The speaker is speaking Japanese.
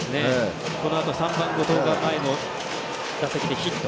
このあと３番、後藤が前の打席でヒット。